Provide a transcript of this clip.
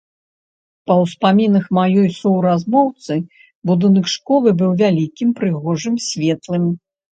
Па ўспамінах маёй суразмоўцы, будынак школы быў вялікім, прыгожым, светлым.